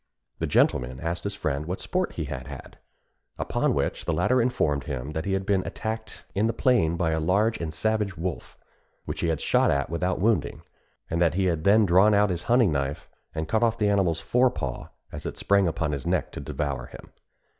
The gentleman asked his friend what sport he had had; upon which the latter informed him that he had been attacked in the plain by a large and savage wolf, which he had shot at without wounding, and that he had then drawn out his hunting knife and cut off the animal's fore paw as it sprang upon his neck to devour him.